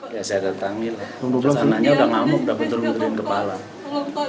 saya datang anaknya sudah ngamuk sudah putus putus kepala